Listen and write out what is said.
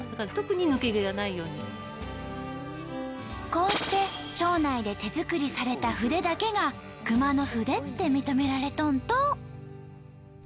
こうして町内で手作りされた筆だけが熊野筆って認められとんと！